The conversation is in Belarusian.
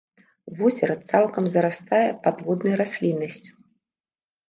Возера цалкам зарастае падводнай расліннасцю.